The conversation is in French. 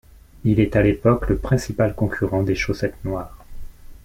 Il est à l'époque le principal concurrent des Chaussettes noires.